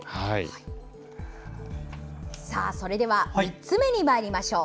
さあ、それでは３つ目にまいりましょう。